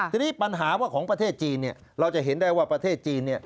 ทีนี้ปัญหาว่าของประเทศจีนเราจะเห็นได้ว่าประเทศจีน